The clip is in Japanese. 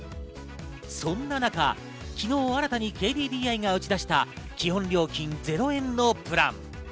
そんな中、昨日、新たにＫＤＤＩが打ち出した基本料金０円のプラン。